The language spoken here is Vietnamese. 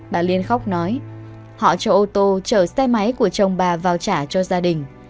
bà liên khóc nói họ cho ô tô chở xe máy của chồng bà vào trả cho gia đình